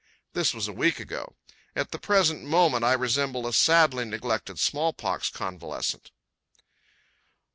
This was a week ago. At the present moment I resemble a sadly neglected smallpox convalescent.